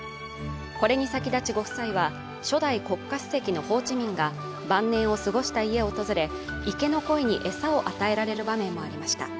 これに先立ちご夫妻は初代国家主席のホーチミンが晩年を過ごした家を訪れ池の鯉にエサを与えられる場面もありました。